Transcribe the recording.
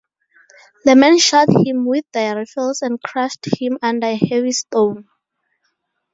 The men shot him with their rifles and crushed him under a heavy stone.